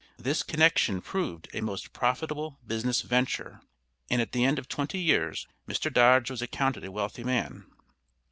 This connection proved a most profitable business venture, and at the end of twenty years Mr. Dodge was accounted a wealthy man.